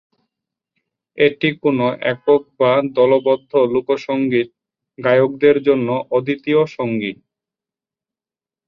এটি কোনও একক বা দলবদ্ধ লোকসঙ্গীত গায়কদের জন্য অদ্বিতীয় সঙ্গী।